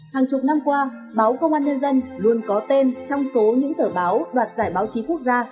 hàng chục năm qua báo công an nhân dân luôn có tên trong số những tờ báo đoạt giải báo chí quốc gia